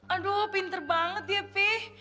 aduh pinter banget ya fi